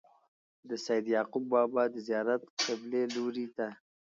د سيد يعقوب بابا د زيارت قبلې لوري ته